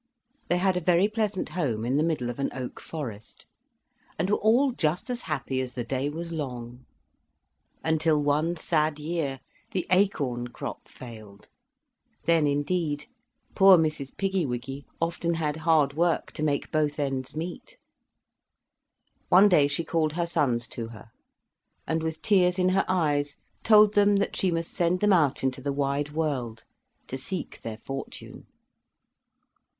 They had a very pleasant home in the middle of an oak forest, and were all just as happy as the day was long, until one sad year the acorn crop failed; then, indeed, poor Mrs. Piggy wiggy often had hard work to make both ends meet. One day she called her sons to her, and, with tears in her eyes, told them that she must send them out into the wide world to seek their fortune.